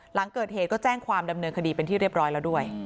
หลังเกิดเหตุก็แจ้งความดำเนินคดีเป็นที่เรียบร้อยแล้วด้วย